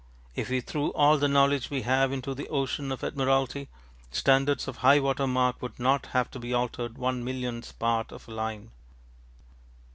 If we threw all the knowledge we have into the ocean the Admiralty standards of high water mark would not have to be altered one millionth part of a line.